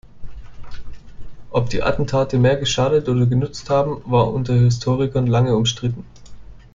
Ob die Attentate mehr geschadet oder genutzt haben, war unter Historikern lange umstritten.